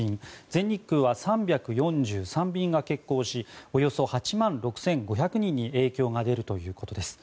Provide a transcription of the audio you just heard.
全日空は３４３便が欠航しおよそ８万６５００人に影響が出るということです。